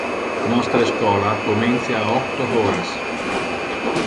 Nostre schola comencia a octo horas.